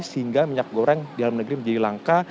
sehingga minyak goreng dalam negeri menjadi langka